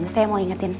saya mau ingetin